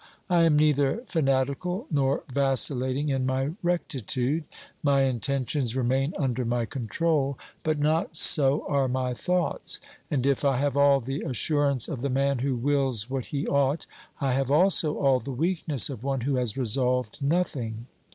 I am neither fanatical nor vacillating in my rectitude. My intentions remain under my control, but not so are my thoughts, and if I have all the assurance of the man who wills what he ought, I have also all the weakness of one who has resolved nothing.